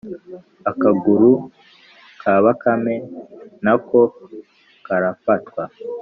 akaguru ka bakame na ko karafatwa.